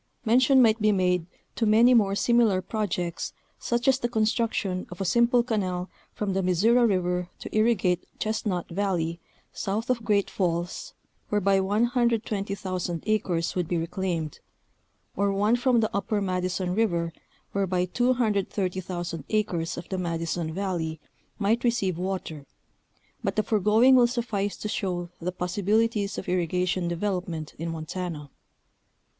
Mention might be made to many more similar projects, such as the construction of a simple canal from the Missouri River to irrigate Chestnut Valley, south of Great Falls, whereby 120,000 acres would be reclaimed; or one from the Upper Madison River whereby 230,000 acres of the Madison Valley might receive water, but the foregoing will suffice to show the possibilities of irrigation development in Montana.